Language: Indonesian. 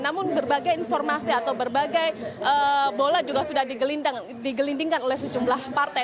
namun berbagai informasi atau berbagai bola juga sudah digelindingkan oleh sejumlah partai